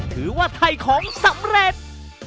ถือว่าไทยของสำเร็จ